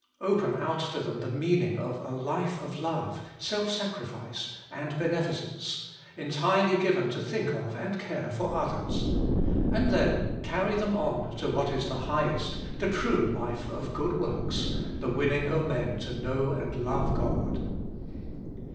Open out to them the meaning of a life of love, self sacrifice, and beneficence — entirely given to think of and care for others. And then carr\^ them on to what is the highest, the true life of good works — the winning of men to know and love God.